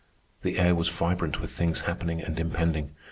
The air was vibrant with things happening and impending.